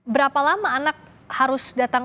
berapa lama anak harus datang